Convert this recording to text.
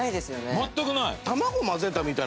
全くない。